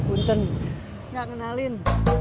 unten gak kenalin